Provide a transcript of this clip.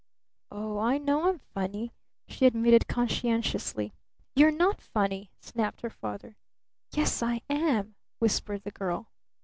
"Oh, I know I'm funny," she admitted conscientiously. "You're not funny!" snapped her father. "Yes, I am," whispered the girl.